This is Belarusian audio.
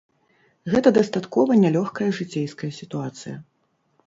Гэта дастаткова нялёгкая жыцейская сітуацыя.